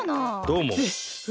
どうも。